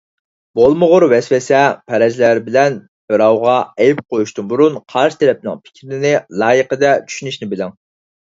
بولمىغۇر ۋەسۋەسە، پەرەزلەر بىلەن بىراۋغا ئەيىب قويۇشتىن بۇرۇن قارشى تەرەپنىڭ پىكرىنى لايىقىدا چۈشىنىشنى بىلىڭ.